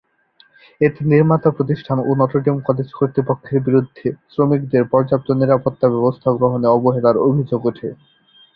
এতে নির্মাতা প্রতিষ্ঠান ও নটর ডেম কলেজ কর্তৃপক্ষের বিরুদ্ধে শ্রমিকদের পর্যাপ্ত নিরাপত্তা ব্যবস্থা গ্রহণে অবহেলার অভিযোগ ওঠে।